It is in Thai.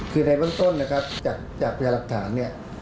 คือในเบื้องต้นนะครับจากพยาหลักฐานเนี่ย